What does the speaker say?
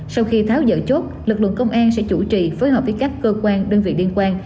sau khi tháo dỡ chốt lực lượng công an sẽ chủ trì phối hợp với các cơ quan đơn vị liên quan